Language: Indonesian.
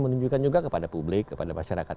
menunjukkan juga kepada publik kepada masyarakat